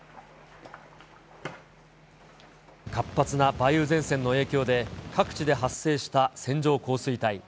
活発な梅雨前線の影響で、各地で発生した線状降水帯。